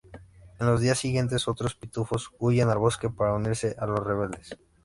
En los días siguientes, otros pitufos huyen al bosque para unirse a los rebeldes.